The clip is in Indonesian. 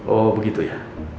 oh begitu ya